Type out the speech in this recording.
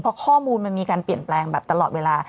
เพราะข้อมูลมันมีการเปลี่ยนแปลงแบบตลอดเวลา